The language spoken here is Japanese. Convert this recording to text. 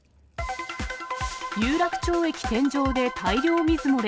有楽町駅天井で大量水漏れ。